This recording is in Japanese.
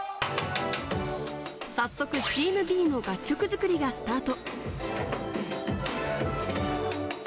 早速、チームＢの楽曲作りがスタート。